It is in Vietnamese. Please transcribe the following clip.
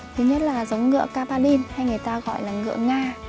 thứ nhất là giống ngựa capadin hay người ta gọi là ngựa nga